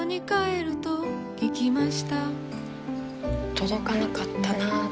届かなかったな。